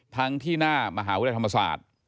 ทั้งที่หน้ามหาวิทยาลัยธรรมศาสตร์